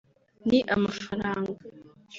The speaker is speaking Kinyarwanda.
ni amafaranga